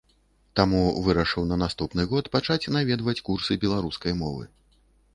Таму вырашыў на наступны год пачаць наведваць курсы беларускай мовы.